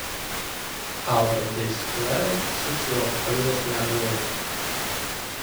Out of these eleven, six were previously unreleased.